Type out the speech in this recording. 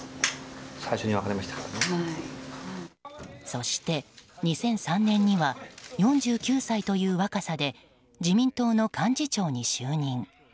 そして２００３年には４９歳という若さで自民党の幹事長に就任。